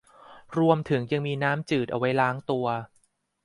รวมถึงยังมีน้ำจืดเอาไว้ล้างตัว